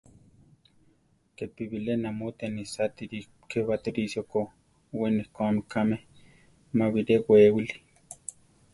Kepi bilé namúti anisátiri ké Batirisio ko; we nekóami kame; má biré wée wili.